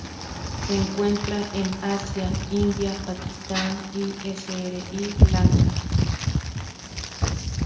Se encuentran en Asia: India, Pakistán y Sri Lanka.